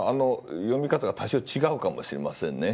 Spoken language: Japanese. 読み方が多少違うかもしれませんね。